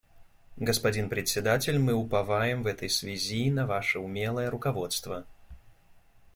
Господин Председатель, мы уповаем в этой связи на ваше умелое руководство.